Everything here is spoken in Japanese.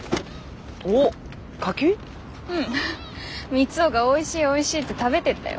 三生がおいしいおいしいって食べてったよ。